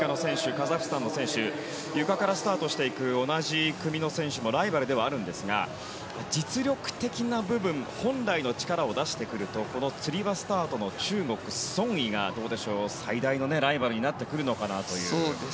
カザフスタンの選手がゆかからスタートしていく選手もライバルではあるんですが実力的な部分本来の力を出してくるとつり輪スタートの中国のソン・イが最大のライバルになってくるのかなという。